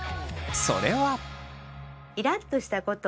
それは。